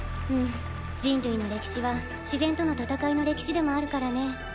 うん人類の歴史は自然との戦いの歴史でもあるからね。